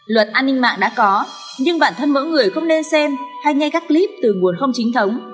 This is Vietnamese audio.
luật an ninh mạng đã có nhưng bản thân mỗi người không nên xem hay nghe các clip từ nguồn không chính thống